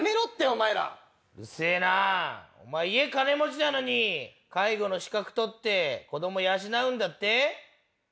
お前家金持ちなのに介護の資格取って子ども養うんだって？